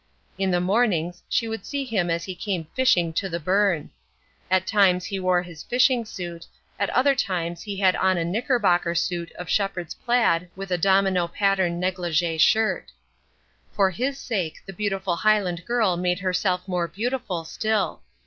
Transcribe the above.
In the mornings she would see him as he came fishing to the burn. At times he wore his fishing suit, at other times he had on a knickerbocker suit of shepherd's plaid with a domino pattern négligé shirt. For his sake the beautiful Highland girl made herself more beautiful still.